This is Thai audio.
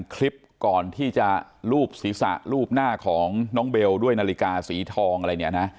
คลิปก่อนที่จะรูปศีรษะรูปหน้าของน้องเบลด้วยนาฬิกาสีทองอะไรเนี่ยนะ